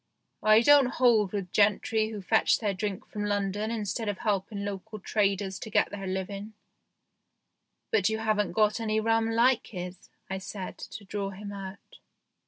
I don't hold with gentrice who fetch their drink from London instead of helping local traders to get their living." " But you haven't got any rum like his," I said, to draw him out.